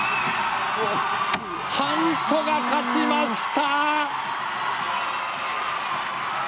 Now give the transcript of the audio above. ハントが勝ちました！